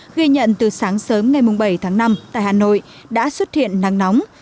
ghi nhận từ sáng sớm ngày bảy tháng năm tại hà nội đã xuất hiện nắng nóng